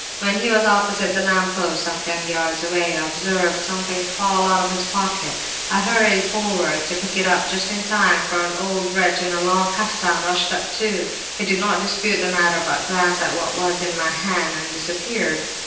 When he was opposite the lamp post, some ten yards away, I observed something fall out of his pocket. I hurried forward to pick it up, just in time, for an old wretch in a long kaftan rushed up too. He did not dispute the matter, but glanced at what was in my hand and disappeared.